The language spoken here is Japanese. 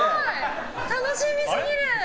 楽しみすぎる！